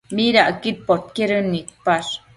¿Midacquid podquedën nidpash?